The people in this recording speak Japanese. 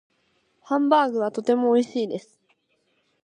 ハンバーグはとても美味しいです。